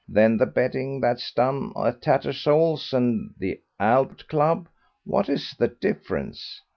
Then the betting that's done at Tattersall's and the Albert Club, what is the difference?